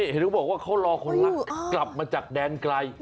เห็นเขาบอกว่าเขารอคนรักกลับมาจากแดนไกล